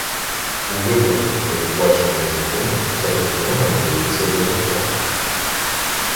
У випадках, передбачених законом, ця допомога надається безоплатно